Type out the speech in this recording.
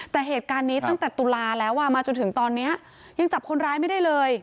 แต่เหตุการณ์นี้ตั้งแต่ตุลาแล้วมาจนถึงตอนนี้ยังจับคนร้ายไม่ได้เลย